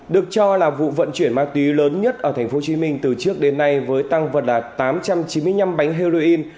được cho là vụ vận chuyển ma túy lớn nhất ở tp hcm từ trước đến nay với tăng vật là tám trăm chín mươi năm bánh heroin